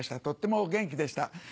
とってもお元気でした。